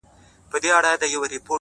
ما څوځلي د لاس په زور کي يار مات کړی دی-